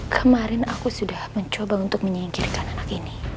kemarin aku sudah mencoba untuk menyingkirkan anak ini